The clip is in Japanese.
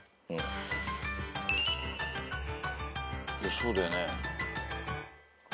そうだよね。